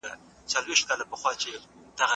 په پښتو به امر کوو.